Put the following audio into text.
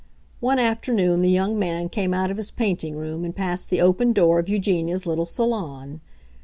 One afternoon the young man came out of his painting room and passed the open door of Eugenia's little salon.